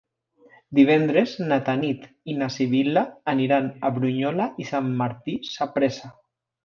Divendres na Tanit i na Sibil·la aniran a Brunyola i Sant Martí Sapresa.